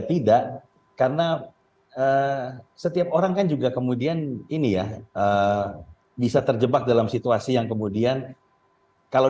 tidak karena setiap orang kan juga kemudian ini ya bisa terjebak dalam situasi yang kemudian kalau